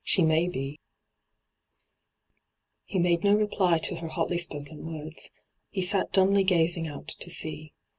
She may be/ He made no reply to her hotly spoken words. He sat dumbly gazing out to sea.